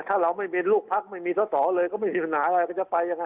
ถ้าเราไม่มีลูกพักไม่มีทศเลยก็ไม่มีหนาว่าเขาจะไปยังไง